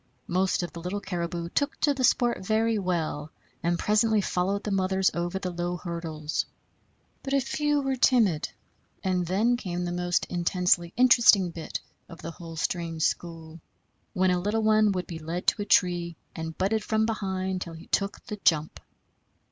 Most of the little caribou took to the sport very well, and presently followed the mothers over the low hurdles. But a few were timid; and then came the most intensely interesting bit of the whole strange school, when a little one would be led to a tree and butted from behind till he took the jump.